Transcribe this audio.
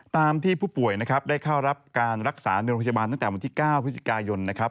ตามที่ผู้ป่วยนะครับได้เข้ารับการรักษาในโรงพยาบาลตั้งแต่วันที่๙พฤศจิกายนนะครับ